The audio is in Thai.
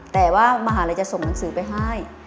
แต่ว่ามหาลัยจะส่งหนังสือไปให้